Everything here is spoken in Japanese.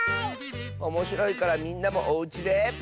おもしろいからみんなもおうちで。